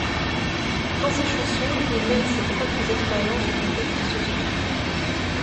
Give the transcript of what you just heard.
Dans ses chansons, il mêle ses propres expériences aux contextes sociaux.